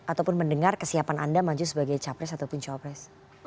ataupun mendengar kesiapan anda maju sebagai capres ataupun copres